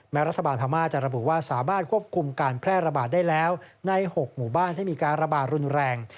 รัฐบาลพม่าจะระบุว่าสามารถควบคุมการแพร่ระบาดได้แล้วใน๖หมู่บ้านที่มีการระบาดรุนแรง